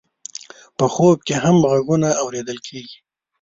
په خوب کې هم غږونه اورېدل کېږي.